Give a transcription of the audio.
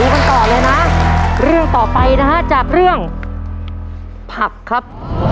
กันต่อเลยนะเรื่องต่อไปนะฮะจากเรื่องผักครับ